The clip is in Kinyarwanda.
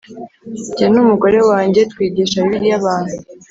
jye n umugore wanjye twigisha Bibiliya abantu